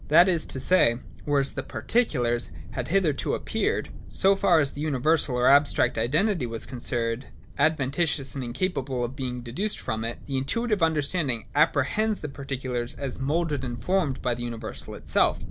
That is to say, whereas the particulars had hitherto appeared, so far as the universal or abstract identity was concerned, adventitious and incapable of being deduced from it, the Intuitive Understanding apprehends the particulars as moulded and formed by the universal itself.